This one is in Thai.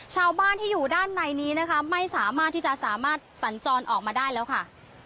ชาวบ้านที่อยู่ด้านในนี้นะคะไม่สามารถที่จะสามารถสัญจรออกมาได้แล้วค่ะ